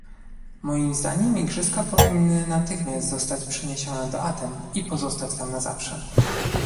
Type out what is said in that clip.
Moim zdaniem igrzyska powinny natychmiast zostać przeniesione do Aten i pozostać tam na zawsze